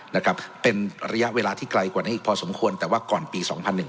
นะครับเป็นระยะเวลาที่ไกลกว่านี้อีกพอสมควรแต่ว่าก่อนปีสองพันหนึ่ง